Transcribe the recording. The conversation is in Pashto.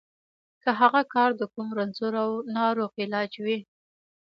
که هغه کار د کوم رنځور او ناروغ علاج وي.